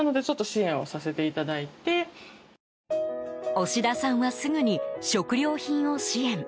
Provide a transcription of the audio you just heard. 押田さんはすぐに食料品を支援。